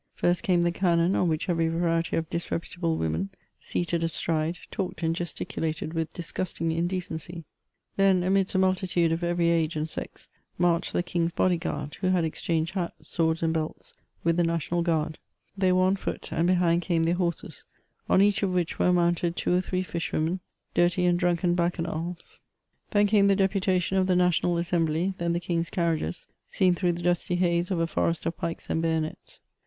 First came the cannon, on which every variety of disreputable women, seated astride, talked and gesticulated with disfi; usting indecency. Then, amidst a multitude of every age and sex, marched the king's body guard, who had exclianged hats, swords, and belts, with the National Guard ; they were on foot, and behind came their horses, on each of which were mounted two or three fish women, dirty and drunken bacchanals ; 'then came the deputation of the National Assembly, then the king's carriages, seen through the dusty haze of a forest of pikes and bayonets.